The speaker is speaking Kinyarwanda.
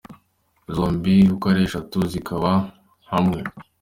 Zombi uko ari eshatu zikaba hamwe.